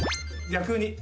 逆に。